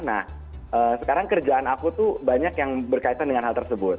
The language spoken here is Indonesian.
nah sekarang kerjaan aku tuh banyak yang berkaitan dengan hal tersebut